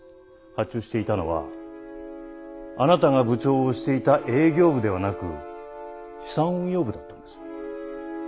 発注していたのはあなたが部長をしていた営業部ではなく資産運用部だったんです。